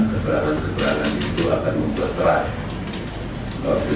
keberangan keberangan itu akan memperterai